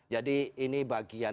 jadi ini bagian